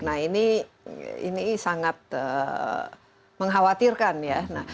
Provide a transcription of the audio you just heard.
nah ini sangat mengkhawatirkan ya